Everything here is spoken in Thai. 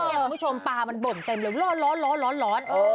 เพื่อนของผู้ชมปลามันบ่มเต็มร้อน